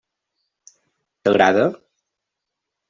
T'agrada?